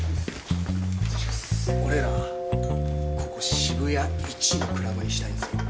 俺らここ渋谷一のクラブにしたいんですよ。